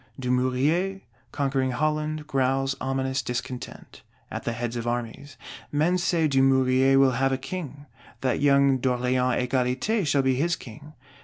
Dumouriez, conquering Holland, growls ominous discontent, at the head of Armies. Men say Dumouriez will have a King; that young D'Orléans Égalité shall be his King.